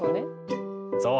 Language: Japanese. そう。